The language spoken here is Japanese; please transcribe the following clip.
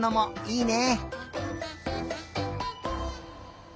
いいね！